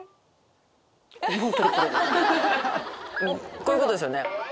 こういうことですよね。